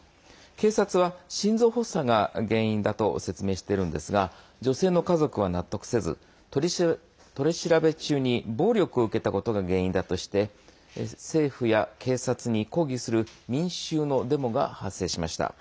警察は心臓発作が原因だと説明してるんですが女性の家族は納得せず取り調べ中に暴力を受けたことが原因だとして政府や警察に抗議する民衆のデモが発生しました。